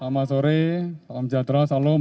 salam sejahtera salam sejahtera salam